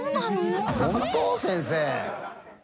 本当先生？